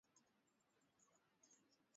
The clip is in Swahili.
serene hadi na miamba na wauaji Tulifurahi